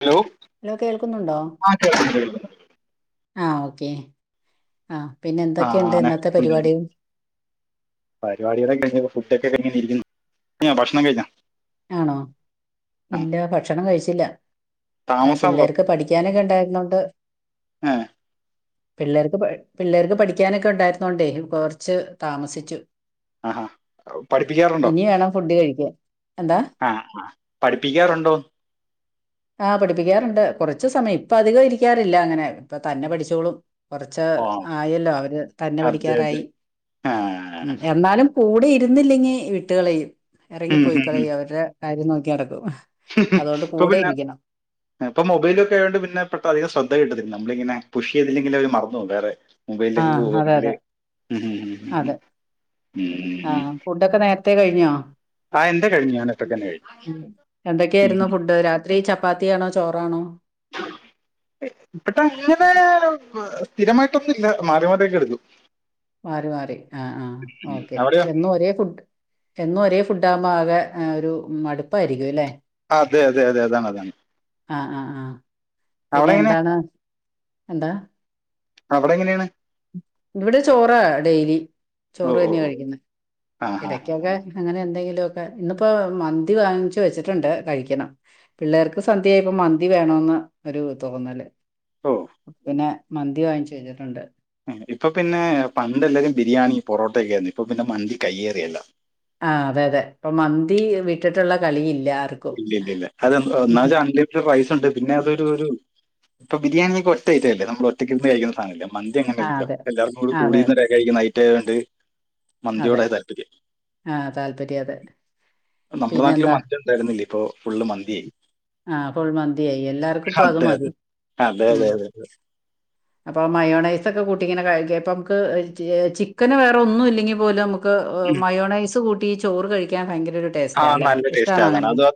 Hello hello കേൾക്കുന്നുണ്ടോ ആ കേൾക്കുന്നു കേൾക്കുന്നു ആഹ് ഓക്കേ ആഹ് പിന്നെ ആ എന്തൊക്കെയുണ്ട് ആണെ ഇന്നത്തെ പരിപാടികൾ പരിപാടികൊക്കെഴിഞ്ഞപ്പോ ഫുഡ്ക്കെ കഴിഞ്ഞിരിക്കാ ഭക്ഷണം കഴിഞ്ഞാ ആണോ ഇല്ല ഭക്ഷണം കഴിച്ചില്ല ആഹ് താമസമാണല്ലോ പിള്ളേർക്ക് പഠിക്കാനൊക്കെ ഉണ്ടായിരുന്നോണ്ട് ഏ പിള്ളേർക്ക് പിള്ളേർക്ക് പഠിക്കാനൊക്കെ ഉണ്ടായിരുന്നോണ്ടേ കുറച്ച് താമസിച്ചു ആഹാ ഇനി വേണം ഫുഡ് കഴിക്കാൻ എന്താ ആഹ് ആഹ് പഠിപ്പിക്കാറുണ്ടോ [inaudible] ആഹ് പഠിപ്പിക്കാറുണ്ട് കുറച്ച് സമയം ഇപ്പ അധികം ഇരിക്കാറില്ല അങ്ങനെ ഇപ്പ തന്നെ പഠിച്ചോളും കുറച്ച് ഓ ആയല്ലോ അവര് തന്നെ അതെ അതെ പഠിക്കാറായി ആ ഉം എന്നാലും കൂടെ ഇരുന്നില്ലെങ്കി വിട്ടുകളയും ഇറങ്ങി ഉം, ഉം, പോയിക്കളയും അവരുടെ കാര്യം നോക്കി നടക്കും അതുകൊണ്ട് അപ്പൊ കൂടെ പിന്നെ ഇരിക്കണം ഇപ്പൊ മൊബൈലൊക്കെ ആയോണ്ട് പിന്നെ ഇപ്പ അധികം ശ്രദ്ധ കിട്ടില്ല നമ്മളിങ്ങനെ പുഷ് ചെയ്തില്ലെങ്കിൽ അവരെ മറന്നു പോകും വേറെ മൊബൈലിലൊക്കെ ആഹ് പോവാ അതെ അല്ലെങ്കിൽ അതെ ഉം ഉം അതെ ഉം ഉം ആഹ് ഫുഡൊക്കെ നേരത്തെ കഴിഞ്ഞോ ആ എന്റെ കഴിഞ്ഞു ഞാൻ ഇപ്പൊ തന്നെ കഴിഞ്ഞു എന്തൊക്കെയായിരുന്നു ഉം. ഫുഡ് രാ ത്രി ചപ്പാത്തിയാണോ ചോറാണോ ഇപ്പട്ടെ അങ്ങനെ സ്ഥിരമായിട്ടൊന്നുല്ല മാറി മാറിയൊക്കെ എടുക്കും മാറി മാറി ആഹ് ആഹ് ഓക്കെ അവിടെ എന്നും ഒരേ ഫുഡ് എന്നും ഒരേ ഫുഡ് ആവുമ്പോ ആകെ ഒരു മടുപ്പായിരിക്കും അല്ലേ അതെ അതെ അതെ അതാണ് അതാണ് ആഹ് ആഹ് ആഹ് അവിടെ പിന്നെ എങ്ങനെ? എന്താണ് എന്താ അവിടെ എങ്ങനെയാണ് ഇവിടെ ചോറാ ഡെയിലി ഓ, ചോറ് ഓ, തന്നെയാണ് ഓ. കഴിക്കുന്നത് ആ, ആ. ഇടക്കൊക്കെ അങ്ങനെ എന്തെങ്കിലൊക്കെ ഇന്നിപ്പോ മന്തി വാങ്ങിച്ചു വെച്ചിട്ടുണ്ട് കഴിക്കണം പിള്ളേർക്ക് സന്ധ്യയപ്പോ മന്തി വേണന്ന് ഒരു തോന്നല് ഓ. പിന്നെ മന്തി വാങ്ങിച്ച് വെച്ചിട്ടുണ്ട് ഇപ്പൊ പിന്നെ പണ്ടെല്ലാരും ബിരിയാണി പൊറോട്ടയൊക്കെ ആയിരുന്നു ഇപ്പൊ പിന്നെ മന്തി കയ്യേറിയല്ലോ ആഹ് അതെ അതെ ഇപ്പൊ മന്തി വിട്ടിട്ടുള്ള കളി ഇല്ല ആർ ഇല്ല ഇല്ല ഇല്ല അത് ഒന്നാമത് അൺലി റ്റഡ് റൈസ് ഉണ്ട് പിന്നെ അതൊരു ഒരു ഇപ്പൊ ബിരിയാണിയൊക്കെ ഒറ്റ ഐറ്റം അല്ലേ നമ്മൾ ഒറ്റയ്ക്ക് നിന്ന് കഴിക്കുന്ന സാധനമല്ലേ മന്തി ആഹ് അങ്ങനെല്ലല്ലോ അതെ എല്ലാവരും ആ, കൂടി അതെ ഇരുന്ന് കഴിക്കുന്ന ഐറ്റം ആയതുകൊണ്ട് അതെ മന്തിയോടായി താല്പര്യം ആഹ് താല്പര്യം അതെ നമ്മുടെ നാട്ടില് പിന്നെന്താ മന്തിയു വരുന്നില്ല ഇപ്പോ ഫുള്ള് മന്തിയായ് ആഹ് ഫുൾ മന്തിയായി എല്ലാർക്കും ഇപ്പ അത് അതെ, അതെ. മതി അതെ, ഉം അതെ, അതെ. അപ്പൊ മയോണൈസ് ഒക്കെ കൂട്ടി ഇങ്ങനെ കഴിക്ക ഇപ്പം നമുക്ക് ചിക്കന് വേറെ ഒന്നും ഇല്ലെങ്കി പോലും നമുക്ക് ഉം. മയോണൈസ് കൂട്ടി ചോറ് കഴിക്കാൻ ഭയങ്കര ഒരു ആ ടേസ്റ്റാല്ലെ നല്ല ടേസ്റ്റ് ഇഷ്ടണോ അതാണ്. അങ്ങനെ അത് ആ അതെ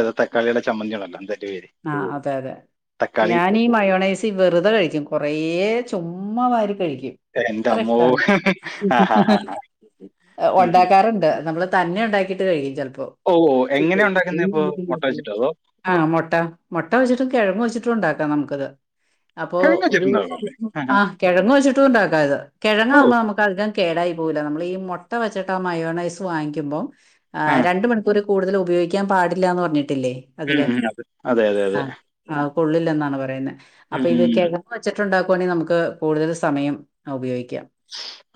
അതെ തക്കാളിയുടെ ചമ്മന്തിയുണ്ടല്ലോ എന്താ അയിന്റെ പേര് ആഹ് അതെ അതെ തക്കാളി ഞാനീ ഈ മയോണൈസ് വെറുതെ കഴിക്കും കുറേ ചുമ്മാവാരി കഴിക്കും എന്റെ അത്ര അമ്മോ ഇഷ്ടാണ് ആ ഹാ ഹാ ഉം ഉം. ഒണ്ടാക്കാറുണ്ട് നമ്മള് തന്നെ ഉണ്ടാക്കിയിട്ട് കഴിക്കും ചെലപ്പോ ഓ ഓ എങ്ങനെയാ ഉണ്ടാക്കുന്ന അപ്പോ മൊട്ട വെച്ചിട്ടോ അതോ ആഹ് മൊട്ട മൊട്ട വെച്ചിട്ടും കിഴങ്ങ് വെച്ചിട്ടും ഉണ്ടാക്കാം നമുക്കത് അപ്പൊ കിഴങ്ങ് ഒരു വെച്ചിട്ടുണ്ടാവുമല്ലേ ആ, ആ. ആഹ് കിഴങ്ങ് വെച്ചിട്ടും ഉണ്ടാക്കാത് ഓ കിഴങ്ങാകുമ്പോ നമുക്ക് അധികം കേടായി പോവില്ല നമ്മൾ ഈ മൊട്ട വച്ചിട്ട് മയോണൈസ് വാങ്ങിക്കുമ്പോ ആ രണ്ട് മണി ക്കൂര് കുടുതൽ ഉപയോഗിക്കാൻ പാടില്ലാന്ന് പറഞ്ഞിട്ടില്ലേ ഉം അതെ അതെ അതെ അതെ ആഹ് കൊള്ളില്ലെന്നാണ് പറയുന്നത് ഉം, അപ്പൊ ഉം. ഇതൊക്കെ വെച്ചിട്ടുണ്ടാക്കുവാണെങ്കിൽ നമുക്ക് കൂടുതൽ സമയം ഉപയോഗിക്കാം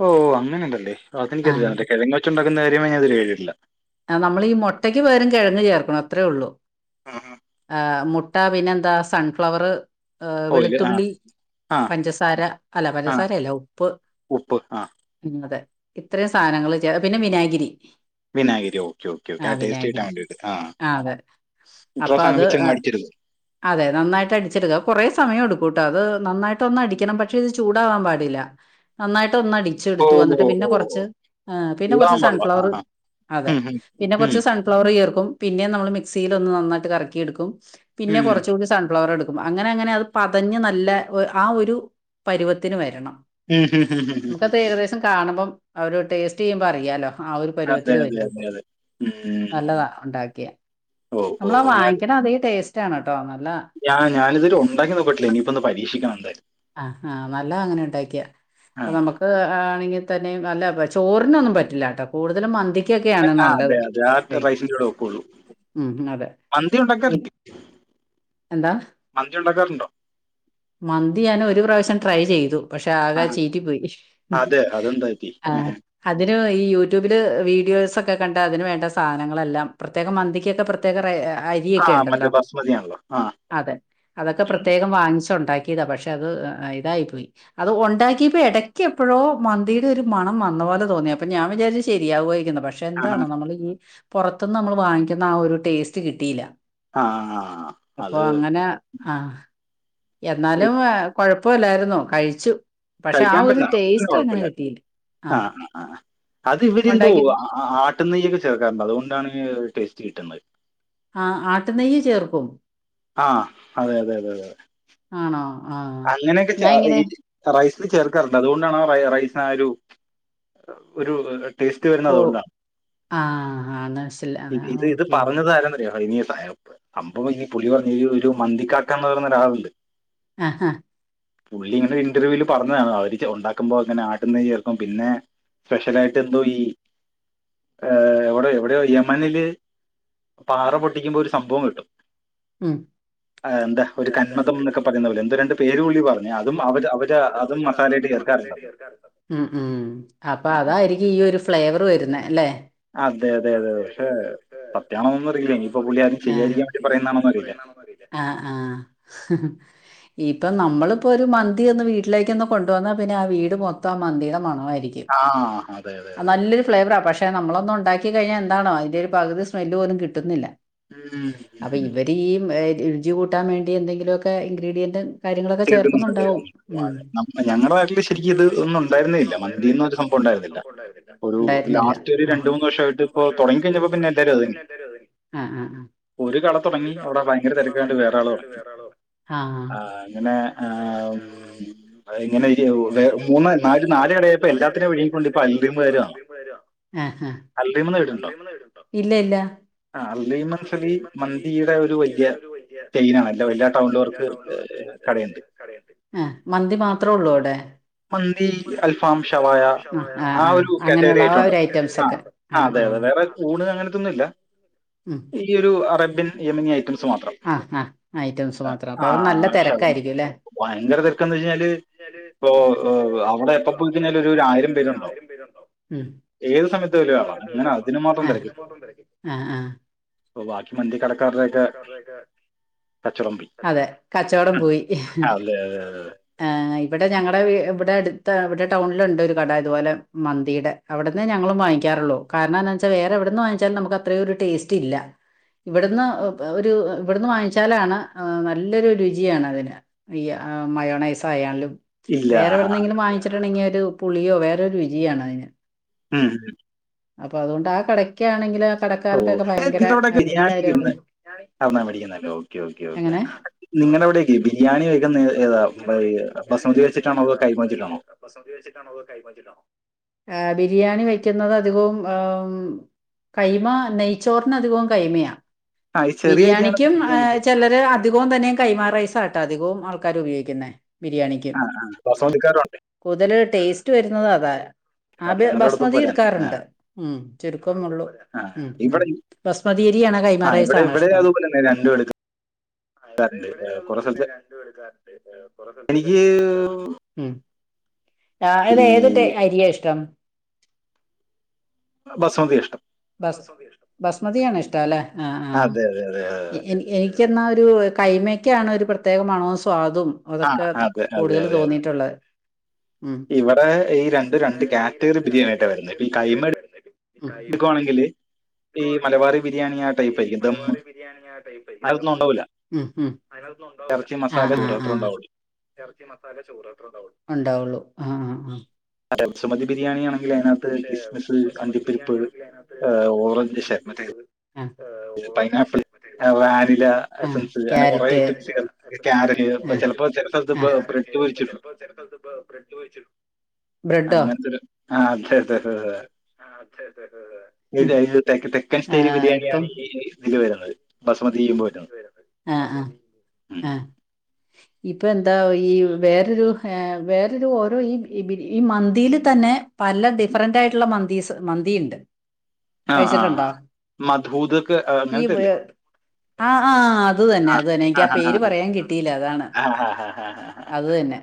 ഓ അങ്ങനെണ്ടല്ലേ അതെനിക്ക് ആ അറീല്ല മറ്റേ കിഴങ്ങ് വെച്ചുണ്ടാക്കുന്ന കാര്യമേ ഞാൻ ഇതുവരെ കേട്ടിട്ടില്ല ആഹ് നമ്മൾ ഈ മുട്ടക്ക് പകരം കിഴങ്ങ് ചേർക്കണം അത്രേ ഉള്ളൂ ആഹ് ആഹ് ആഹ് മുട്ട പിന്നെന്താ സൺഫ്ലവറ് ഏഹ് ഓ ഇല്ല ആ വെളുത്തുള്ളി ആ പഞ്ചസാര അല്ല ആ പഞ്ചസാരല്ല ഉപ്പ് ഉപ്പ് ആ ഉം അതെ ഇത്രയും സാധനങ്ങള് പിന്നെ വിനാഗിരി വിനാഗിരി ഓക്കെ ഓക്കെ ആ ഓക്കെ ആഹ് ടേസ്റ്റ് കിട്ടാൻ വിനാഗിരി വേണ്ടിയിട്ട് ആഹ് അപ്പത് അഹ് അതെ നന്നായിട്ടടിച്ചെടുക്കുക കുറെ സമയം എടുക്കൂട്ടോ അത് നന്നായിട്ടൊന്ന് അടിക്കെണം പക്ഷെ ഇത് ചൂടാവാൻ പാടില്ല. നന്നായിട്ടെന്നടി ഓ ച്ചെടുത്തു ന്നിട്ട് ഓ പിന്നെ ഓ കെർച്ച് ഏഹ് പിന്നെ ചൂടാൻ കെർച്ച് പാടില്ല ആ സൺഫ്ലവറ് ആ. അതെ ഉം, ഉം, പിന്നെ ഉം, കെർച്ച് സൺ ഫ്ലവർ ചേർക്കും പിന്നെ നമ്മള് മികസിയിൽ ഒന്ന് നന്നായിട്ട് കറക്കിയെടുക്കും പിന്നെ ഉം, കെറച്ചൂടി കൂടി സൺഫ്ലവർ എടുക്കും. അങ്ങനെ അങ്ങനെ അത് പതഞ്ഞ് നല്ല ആഹ് ഒരു പരുവത്തിന് വെരണം. ഉം, ഉം, ഉം, ഉം, ഉം. നമുക്കത് ഏകദേശം കാണുമ്പം അവര് ടേസ്റ്റ് ചെയ്യുമ്പോ അറിയാലോ ആഹ് ഒരു അതെ പരുവത്തില് അതെ അതെ രുപം അതെ ഉം. നല്ലതാ ണ്ടാക്കിയാ ഓ ഓ നമ്മളാ ഞാൻ വാങ്ങിക്ക്ണ അതെ ടേസ്റ്റാണ് ട്ടോ ന്നല്ല ത ഞാൻ ഞാതില് ഉണ്ടാക്കി നോക്കിട്ടിലെ ഞിപ്പൊന്ന് പരീക്ഷക്കണം ന്തായാലും. ആഹ് ആഹ് നല്ലതാ അങ്ങനെ ണ്ടാക്കിയാ ആ അപ്പ നമ്മക്ക്. ത് ആണെങ്കിൽ തന്നെ നല്ല ചോറിനൊന്നും പറ്റില്ലട്ടോ കൂടുതലും മന്തി ആഹ് അതെ രാൽത്തെ പൈസീകൂടെ ഒക്കുള്ളൂ. ഉം അതെ മന്തി പിന്നെ ഉണ്ടാക്കാർണ്ട് എന്താ മന്തി ഉണ്ടാക്കാറുണ്ടോ? മന്തി ഞാന് ഒരു പ്രാവശ്യം ട്രൈ ചെയ്തു. പക്ഷെ ആ, ആകെ ചീറ്റി പോയി അതെ അതെന്താ പറ്റി ആഹ്. ഏഹ്. അതില് ഈ യൂട്യൂബില് വീഡിയോസെക്കെ കണ്ടാ അതിന് വേണ്ട സാധനങ്ങളെല്ലാം പ്രത്യേക മന്തിക്കൊക്കെ പ്ര പ്രത്യേക ആ അരിയെക്കെ ഇണ്ടല്ലോ മറ്റേ ബസ്മതി ആണല്ലോ ആ അതെ അതൊക്കെ ഉം. പ്രത്യേകം വാങ്ങിചെണ്ടാക്കി ഇതാ പഷെ അത് തായിപോയി. അത് ഉണ്ടാക്കിയപ്പോ എടയ്ക്ക് എപ്പഴോ മന്തീടെ ഒരു മണം വന്ന പോലെ തോന്നി അപ്പൊ ഞാ വിചാരിച്ചു ശരിയാവെയ്ക്കെന്ന് പഷെ ആഹാ. എന്താണോ നമ്മള് ഈ പൊറത്ത്ന്ന് നമ്മൾ വാങ്ങിക്കുന്ന ആ ഒരു ടേസ്റ്റ് കിട്ടീല. ആ ആ, ആ. അപ്പൊ അത് അങ്ങനെ ആഹ് എന്നാലും കൊഴപ്പല്ലായിരുന്നു കഴിച്ചു. പഷെ ആ കഴിക്കാൻ ഒരു പറ്റില്ല അതൊരു ടേസ്റ്റ് അങ്ങനെ കുഴപ്പമില്ല കിട്ടീല ആ ആഹ് ആ, ആ. അത് ഇവരെന്തോ ആട്ട് നെയ്യൊക്കെ ചേർക്കാറ്ണ്ട് അതുകൊണ്ടാണ് ടേസ്റ്റ് കിട്ടുന്നത്. ആഹ് ആട്ട് നെയ്യ് ചേർക്കും. ആഹ് അതെ അതെ അതെ. ആണോ ആഹ്. അങ്ങനെയൊക്കെ ചേ ഇ റൈസില് ചേർക്കാറുണ്ട് അതോണ്ടാണ് ആ റൈസിന് ആ ഒരു ഒരു ടേസ്റ്റ് ഓ വരുന്നതതോണ്ടാ. ആ ആ മനസ്സില്ല ഇത് ആ ഇത് ഇത് ഓക്കെ പറഞ്ഞതാരാന്നറിയോ ഇനിയ സായം. സംഭവം ഇനി പുളളി പറഞ്ഞൊരു മന്തി കാക്കാന്ന് പറയുന്നൊരാളുണ്ട്. ആഹ് ആഹ് പുള്ളി ഇങ്ങനെ ഒരിന്റർവ്യൂല് പറഞ്ഞതാണ് അവര്ണ്ടാക്കുമ്പോ ഇങ്ങനെ ആട്ട് നെയ്യ് ചേർക്കും പിന്നെ. സ്പെഷലായിട്ട് എന്തോ ഈ ഏ എവടെ എവടെയോ യമനില് പാറ പൊട്ടിക്കുമ്പോ ഒരു സംഭവം കിട്ടും ഉം ആഹ് എന്താ ഒരു കന്മദം ന്നൊക്കെ പറയുന്ന പോലെ എന്തോ രണ്ട് പേരും പുള്ളി പറ ചേർക്കാറുണ്ടെന്ന് ഉം ഉം അപ്പ അങ്ങനെ. അതാരി ഈ ഒരു ഫ്ലേവറ് വരുന്നെ ല്ലേ. അതെ അതെ അതെ ക്ഷെ സത്യാണോന്നൊന്നും അറിയില്ല നിപ്പൊ പുള്ളി ആരും ചെയ്യാതിരിക്കാൻ വേണ്ടി പറയുന്നതാണോന്നും അറിയില്ല. ആഹ് ആഹ് ഇപ്പം നമ്മളും ഇപ്പൊരു മന്തി ഒന്ന് വീട്ടിലേക്കൊന്ന് കൊണ്ട് വന്നാ പിന്നെ ആ വീട് മൊത്തം ആ മന്തീടെ മണമാരിക്കും. ആ അതെ അതെ അതെ നല്ലൊരു ഫ്ലേവെറാ പഷ് ക്ഷെ നമ്മളൊന്നൊണ്ടാക്കികഴിഞ്ഞാ എന്താണോ അതിന്റെ ഒരു പകുതി സ്മെല്ല് പോലും കിട്ടുന്നില്ല. ഉം ഇവരീ രുചി കൂട്ടാൻ വേണ്ടി എന്തെങ്കിലൊക്കെ ഇൻഗ്രീഡിയൻ്റും കാര്യങ്ങളൊക്കെ ചേർക്ക് കേൾക്കുന്നുണ്ട് ക്ന്നുണ്ടാവും കേൾക്കുന്നുണ്ട്. ഉം അതെ നമ്മ- ഞങ്ങളുടെ നാട്ടിൽ ശരിക്കും ഇത് ഒന്നും ഉണ്ടായിരുന്നില്ല മന്തി എന്ന് ഒരു സംഭവം ഉണ്ടായിരുന്നില്ല ഒരു ഉണ്ടായിരുന്നില്ല. ലാസ്റ്റ് ഒരു രണ്ടു മൂന്ന് വർഷമായിട്ട് ഇപ്പൊ തുടങ്ങി കഴിഞ്ഞപ്പോ പിന്നെ എല്ലാരും അത് തന്നെ ആഹ് ആഹ് ആഹ് ഒരു കട തൊടങ്ങി അവിടെ ഭയങ്കര തിരക്കായേണ്ട് വേറാൾ തുടങ്ങി ആ അങ്ങനെ. ആ ഊ [unintelligible] ആഹ് ഇങ്ങനെ ജ്ജ് വേറെ മൂന്ന് നാല് നാല് കടയായപ്പോ എല്ലാത്തിനേം വിഴുങ്ങിക്കൊണ്ട് ഇപ്പൊ അൽ റിമ്മ്കാര് വന്ന് ആഹ് ആഹ് ഇല്ല ഇല്ല ആഹ് അൽ റീം മൻസിലീ മന്തിയുടെ ഒരു വലിയ ചെയിനാണ് എല്ലാ വല്യ ടൗണിലവർക്ക് ഏ കടയ് എണ്ട് ആഹ് മന്തി മാത്രേ ഒള്ളൂ അവിടെ മന്തി അൽഫാം ഷവായ ആ ആ ഒരു കാറ്റഗറി അങ്ങനെയുള്ള ആ ഒരു ഐറ്റെണ്ടല്ലോ ഐറ്റംസ് ആഹ് ഒക്കെ ഐറ്റംസ് ആ ആഹ് അതെ ആ അതെ വേറെ ഊണ് അങ്ങനത്തൊന്നും ഇല്ല ഉം. ഈയൊരു അറേബ്യൻ യമിനി ഐറ്റംസ് മാത്രം ആ ഐറ്റംസ് ആ ഐറ്റംസ് മാത്രം അപ്പൊ ആ അവർ നല്ല ശകം തിരക്കായിരിക്കും അല്ലെ ഭയങ്കര തെരക്കന്ന് കഴിഞ്ഞാല് ഇപ്പൊ ഹ് അവിടെ എപ്പ പോയി കഴിഞ്ഞാലും ഒരു ഒരു ആയിരം പേരുണ്ടാവും ഏത് സമയത്ത് വലിയ ആളാണ് അങ്ങനെ ആഹ് അതിന് മാത്രം ആഹ് ആഹ് അപ്പൊ ബാക്കി മന്തി കടക്കാരുടെക്കെ അതെ കച്ചവടം പോയി അല്ലേ ആഹ് ഇവിടെ ഞങ്ങടെ വീ ഇവിടെ അടുത്ത ഇവിടെ ടൗണിലുണ്ട് ഒരു കട ഇതുപോലെ മന്തീടെ അവിടുന്നേ ഞങ്ങളും വാങ്ങിക്കാറുള്ളൂ കാരണം എന്താന്ന് വെച്ചാ വേറെ എവിടുന്ന് വാങ്ങിച്ചാലും നമുക്ക് അത്രേ ഒരു ടേസ്റ്റ് ഇല്ല ഇവിടുന്ന് ഒരു ഇവിടുന്ന് വാങ്ങിച്ചാലാണ് നല്ലൊരു രുചിയാണ് അതിന് വിയ്യ മയോണൈസായാലും ഇല്ല ആ. വേറെവിടെന്നെങ്കിലും വാങ്ങിച്ചിട്ടുണ്ടെങ്കിൽഒരു പുളിയോ വേറൊരു രുചിയാണതിന് ഉം അപ്പൊ അതുകൊണ്ട് ആ കടക്കാ ണെങ്കില് ആ കടക്കാർ ഓ നിങ്ങളോടൊക്കെ ബിരിയാണി തിന്ന് എടന്നാ മേടിക്കുന്നല്ലേ ഓക്കെ ഓക്കെ എങ്ങനെ ഓക്കെ നിങ്ങളവിടെ ഈ ബിരിയാണി വെക്കുന്ന ഏതാ ഏതാ [unintelligible] ബസ്മതി വച്ചിട്ടാണോ അതോ കൈമച്ചിട്ടാണോ ബസ്മതി വെച്ച്ട്ടാണോ അതോ കൈമ വെച്ച് ട്ടാണോ ബിരിയാണി വെക്കുന്നത് അധികവും ഏ കൈമ നെയ് ചോറിനാധികവും കൈമായാ ആ ഈ ചെറിയ അരിയാണ് ബിരിയാണിക്കും ബിരിയാണി ഏച്ച് ചിലര് അധികവും തന്നെ കൈമാ റൈസാട്ടോ അധികവും ആൾക്കാരു ഉപയോഗിക്കുന്നേ ബിരിയാണിക്കും ആ ആ ബസുമതിക്കാരുണ്ട് കൂതല് ടേസ്റ്റ് വരുന്നത് അതാ അപ്പൊ ആത് ഞങ്ങളുടെ അടുത്ത് ബസ്മതി പോലെ തന്നെ ആ എടുക്കാറുണ്ട് ഉം ചുരുക്കമുള്ളൂ ആ ഉം ഉം ഇവിടെ ബസ്മതീരിയാണോ ആ ഇവിടെ കൈമാറൈസാണോ ഇവിടെ ഇഷ്ട്ടം അതുപോലെ തന്നെ രണ്ടും എടുക്കും ആ ഇവിടെ ഇവിടെ കുറെ അതുപോലെന്നെ സ്ഥലത്ത് രണ്ട് എടുക്കാറ്ണ്ട് കുറേ സ്ഥല് എനിക്ക് ത്തൊക്കെ [unintelligible] ഉം ആയത് ഈ ഏത് ത അരിയാ ഇഷ്ടം ബസമതിയാ ഇഷ്ടം ബസ്മതിയാണ് ഇഷ്ടം അല്ലെ ആ ആ അതെ അതെ അതെ എനി എനിക്ക് ന്നാൽ ഒരു കൈമക്കാണ് ഒരു പ്രത്യേക മണവും സ്വാദും ആ അതൊക്കെ അതെ അതെ കൂടുതൽ അതെ തോന്നിയിട്ടുള്ളത് ഉം ഇവിടെ ഈ രണ്ടു രണ്ട് കാറ്റഗറി ബിരിയാണിയായിട്ടാ വരല് ഈ കൈമ ട് കൈമാര് ഈ മലബാറി ബിരിയാണി ആ ടൈപ്പ് ആയിരിക്കും ഏ ദെം അതൊന്നും ഉണ്ടാവൂല്ല ഉം ഉം അതിനകത്തൊന്നും ഉണ്ടാവൂല്ല ആ ആ ചോറ് ആ അത്ര ഉണ്ടാവുള്ളൂ ഇറച്ചി മസാല ചോറ്ത്രേ ഉണ്ടാവൊള്ളു ബസ് മതി ബിരിയാണി ആണെങ്കിൽ അതിനകത്ത് ക്രിസ്മസ് അണ്ടിപ്പരിപ്പ് ഏ ഓറഞ്ച് ശേ, മറ്റേ അണ്ടിപ്പരിപ്പ് അ ഓറഞ്ച് ഷേ പൈനാപ്പിൾ മറ്റേ ഏഹ്, വാനില പൈനാപ്പിൾ എസൻസ് അങ്ങനെ കുറെ ക്യാരറ്റ് ഐറ്റംസ് ചേർത്ത്, ക്യാരറ്റ് അ ചിലപ്പോ ചില സ്ഥലത്ത് ക്യാരറ്റ് ബ്രെഡ് പൊരിച്ചിടും ചെൽപ്പോ ചെൽ പ്പോ ബ്രെഡ് പൊരിച്ചതും അങ്ങനത്തെ ഒരു ആഹ് ആതെ തെ അതെ [unintelligible] ചിക്കൻ സ്റ്റൈല് ആഹ് ഇപ്പം ബിരിയാണിയാണ് ഈ ഇതിൽ വരുന്നത് ബസ്മതി ചെയ്യുമ്പോൾ വരുന്നത് ആ ആഹാ ഉം. ആ ഇപ്പൊ എന്താ ഈ വേറൊരു വേറൊരു ഓരോ ഈ ഈ ബിരി മന്തിയില് തന്നെ പല ഡിഫറന്റ് ആയിട്ടുള്ള മന്തീസ് മന്തിയുണ്ട് ആ ആ ഹ് ആ കഴിച്ചിട്ടുണ്ടോ മധൂഹൂദൊക്കെ ഈ അങ്ങനത്തെല്ലേ വേ- ആ ആഹ് അത് തന്നെ അതന്നെ എനിക്ക് ആ പേര് പറയാൻ കിട്ടിയില്ല അതാണ് ആ ആ ആ ആ ആ അത് തന്നെ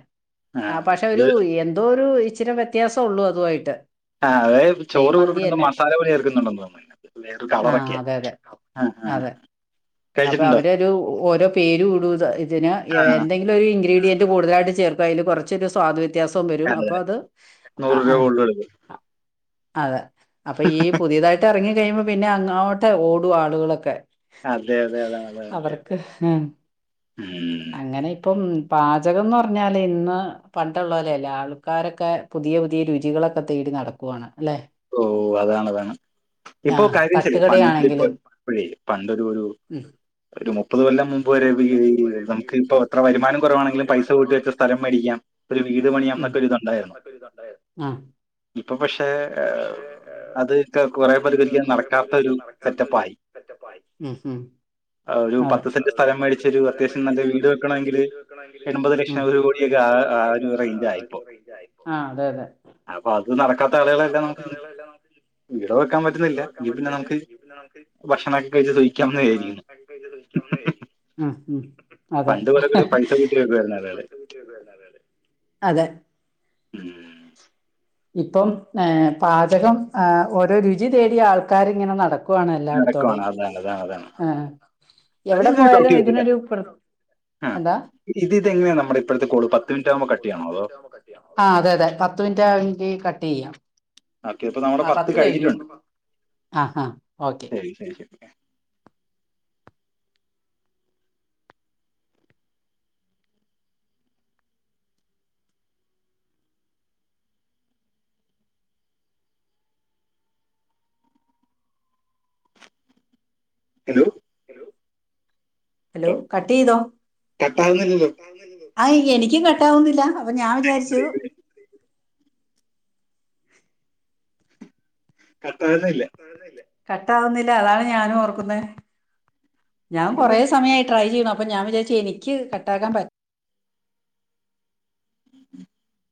ആ പക്ഷെ അത് ഒരു എന്തോ ഒരു ഇച്ചിരി വ്യത്യാസം ഉള്ളൂ അതുവായിട്ട് ആഹ് അത് ചോറ് കൂടി കിട്ടുന്ന മസാല ചേർക്കുന്നുണ്ടെന്ന് തോന്ന് വേറൊരു ആ കളറൊക്കെ അതെ അതെ ആഹ് ഹാ അതെ അപ്പൊ അവരൊരു ഓരോ പേരും ഇടും ഇതിന് ആ എന്തെ ങ്കിലും ഒരു ഇൻഗ്രീഡിയന്റ് കടുതലായിട്ട് ചേർക്കും അതിൽ കുറച്ച് ഒരു സ്വാദ് വ വ്യത്യാസവും വരും അതെ അപ്പൊ അതെ. അത് നൂറ് രൂപ ആഹ് കൂടുതൽ കൊടുക്കും അതെ അപ്പൊ ഈ പുതിയതായിട്ട് ഇറങ്ങി കഴിയുമ്പോൾ പിന്നെ അങ്ങോട്ടെ ഓടും ആളുകളൊക്കെ അതെ അതെ അതെ അഅതങ്ങനെ തന്നാ ക്ക് ഹ് അങ്ങനെ ഇപ്പം പാചകംന്ന് പറഞ്ഞാൽ ഇന്ന് പണ്ടുള്ള പോലെയല്ല ആൾക്കാരൊക്കെ പുതിയ പുതിയ രുചികളൊക്കെ തേടി നടക്കും പോവാണ് അല്ലെ ഓ അതാണ്താണ് ഇപ്പൊ ആഹ് കാര്യം ശെരിയാ പണ്ട് ഇപ്പോഴ തട്ടുകടയാണെങ്കിലും പണ്ടൊരു ഒരു ഉം ഒരു മുപ്പത് കൊല്ലം മു ൻപ് വരെയും നമുക്ക് ഇപ്പൊ എത്ര വരുമാനം കുറവാണെങ്കിലും പൈസ കൂട്ടി വെച്ച സ്ഥലം മേടിക്കാം ഒരു വീട് പണി ഉം ആഹ് ഇപ്പൊ പക്ഷെ ഇപ്പൊ പക്ഷേ അത് പേർക്ക് ഒരിക്കലും കുറെ നടക്കാത്ത പേർക്ക് ഒരു നടക്കാത്ത ഒരു സെറ്റപ്പായി സെറ്റപ്പായി മ് ഹ് ഒരു പത്ത് സെ ന്റ് സ്ഥലം മേടിച്ചൊരു അത്യാവശ്യം നല്ല വീട് വെക്കണമെങ്കിൽ എൺപത് ഉം ലക്ഷം ഒരു കോടിയൊക്കെ ആ റേഞ്ച് ആയി ആഹ് അതെ അതെ അപ്പൊ അത് നടക്കാത്ത ആളുകളെല്ലാം പിന്നെ വീടോ വെക്കാൻ പറ്റുന്നില്ല എങ്കിൽ പിന്നെ നമുക്ക് ഭക്ഷണൊക്കെ കഴിച്ചു സുഖിക്കാവുന്ന് വിചാരിക്കുന്നു ഉം ഉം അതെ പണ്ട് ഇവടൊക്കെ പൈ കൂട്ടി വെക്കുവായിരുന്നു ആളുകള് അതെ ഉം ഇപ്പം പാചകം ആഹ് ഓരോ രുചി തേടി ആൾക്കാരിങ്ങനെ നടക്കും ക്കുവാണ് നടക്കുവാണ് എല്ലായിടത്തോടെയും അതാണ് അതാണ് അതാണ് ആഹ് അത് എവിടെ ഞാൻ കൗട്ടി പോയാലും വെച്ചിട്ടുണ്ട് ഇതിനൊരു പ്ര ആഹ് എന്താ ഇത് ഇതെങ്ങനെയാ നമ്മുടെ ഇപ്പോഴത്തെ കോള് പത്ത് മിനിറ്റ് ആകുമ്പോ കട്ട് ചെയ്യണോ അതോ ആഹ് അതെ അതെ പത്ത് മിനിറ്റ് ആയെങ്കി കട്ട് ചെയ്യാം ആക്കെ ഇപ്പ നമ്മുടെ ആ പത്ത് കഴിഞ്ഞു കഴിഞ്ഞിട്ടുണ്ട് ആ ആ ഓക്കെ ശെരി ശെരി ഹലോ ഹലോ കട്ട് ചെയ്തോ കട്ടാകുന്നില്ലല്ലോ ആഹ് എനിക്കും കട്ട് ആവുന്നില്ല അപ്പോ ഞാൻ വിചാരിച്ചു കട്ടാകുന്നേല്ല കട്ടാവുന്നില്ല അതാണ് ഞാനും ഓർക്കുന്നേ ഞാൻ നിനക്ക് കൊറേ എന്തെങ്കിലും സമയാ ട്രൈ ചെയ്യണു അപ്പ ഞാൻ വിചാരിച്ച് എനിക്ക് കട്ടാക്കാൻ പ ഉ [unintelligible]